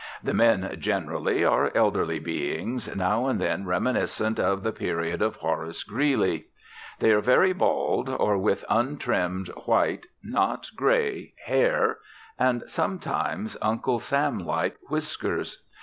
The men generally are elderly beings, now and then reminiscent of the period of Horace Greeley. They are very bald, or with untrimmed white (not grey) hair, and, sometimes, Uncle Sam like whiskers.